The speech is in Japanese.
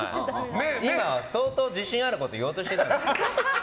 相当自信があること言おうとしてた。